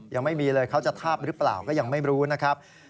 ยังไม่มีเลยเขาจะทาบหรือเปล่าก็ยังไม่รู้นะครับ